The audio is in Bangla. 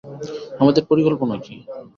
আমাদের পরিকল্পনা কি?